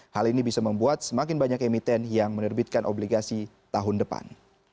hal ini bisa membuat semakin banyak emiten yang menerbitkan obligasi tahun depan